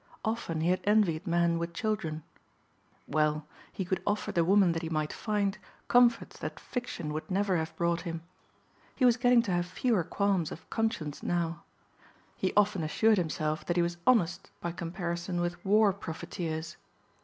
Often he had envied men with children. Well, he could offer the woman that he might find comforts that fiction would never have brought him. He was getting to have fewer qualms of conscience now. He often assured himself that he was honest by comparison with war profiteers.